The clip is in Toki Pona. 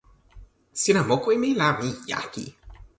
sina moku e mi la, mi jaki!